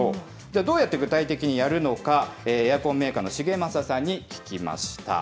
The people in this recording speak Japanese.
どうやって具体的にやるのか、エアコンメーカーの重政さんに聞きました。